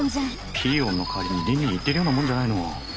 ピー音の代わりにリンリン言ってるよなもんじゃないの。